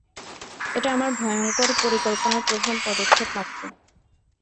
এটা আমার ভয়ঙ্কর পরিকল্পনার প্রথম পদক্ষেপ মাত্র।